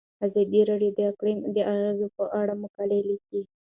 ازادي راډیو د اقلیم د اغیزو په اړه مقالو لیکلي.